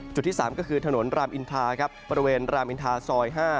ที่๓ก็คือถนนรามอินทาครับบริเวณรามอินทาซอย๕